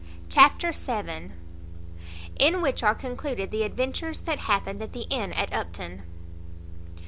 Chapter vii. In which are concluded the adventures that happened at the inn at Upton.